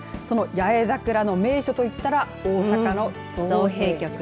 その八重桜の名所といった大阪の造幣局。